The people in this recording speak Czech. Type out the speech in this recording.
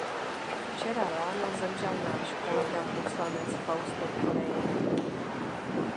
Včera ráno zemřel náš kolega poslanec Fausto Correia.